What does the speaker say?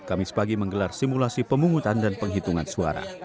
kamis pagi menggelar simulasi pemungutan dan penghitungan suara